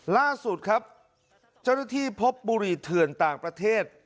ล่าสุดครับเจ้าหน้าที่พบบุหรี่เถื่อนต่างประเทศ